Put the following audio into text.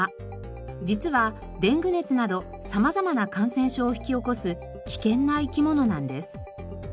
実はデング熱など様々な感染症を引き起こす危険な生き物なんです。